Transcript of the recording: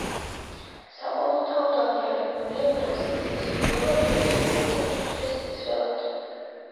საყოველთაოდ აღიარებულია ბრაზილიის ყველა დროის ერთ-ერთ უდიდეს მცველად.